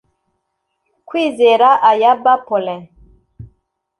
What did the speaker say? Kwizera Ayabba Paulin